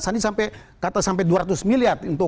sandi sampai kata sampai dua ratus miliar untuk